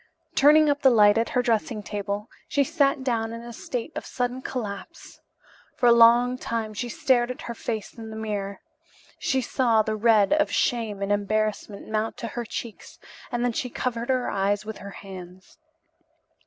Turning up the light at her dressing table, she sat down in a state of sudden collapse. For a long time she stared at her face in the mirror. She saw the red of shame and embarrassment mount to her cheeks and then she covered her eyes with her hands.